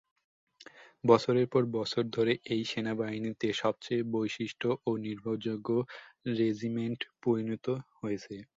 বছরের পর বছর ধরে এটি সেনাবাহিনীতে সবচেয়ে বিশিষ্ট এবং নির্ভরযোগ্য রেজিমেন্টে পরিণত হয়েছে।